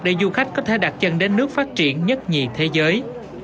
để du khách có thể đặt chân đến nước phát triển nhất nhì thế giới